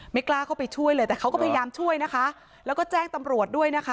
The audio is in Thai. กล้าเข้าไปช่วยเลยแต่เขาก็พยายามช่วยนะคะแล้วก็แจ้งตำรวจด้วยนะคะ